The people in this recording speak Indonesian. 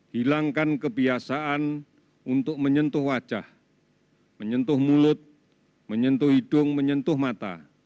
hilangkan kebiasaan untuk menyentuh wajah menyentuh mulut menyentuh hidung menyentuh mata